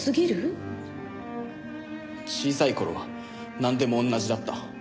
小さい頃はなんでも同じだった。